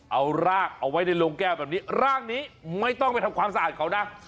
เอารากเอาไว้ในโรงแก้วแบบนี้รากนี้ไม่ต้องไปทำความสะอาดเขานะ